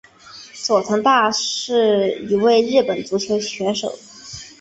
佐藤大是一位日本足球选手。